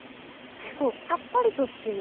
結構さっぱりとしている。